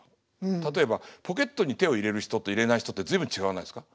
例えばポケットに手を入れる人と入れない人って随分違わないですか？